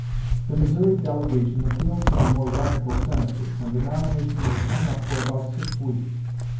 The Missouri delegation appealed to the more radical Senators, and the nomination was "hung up" for about six weeks.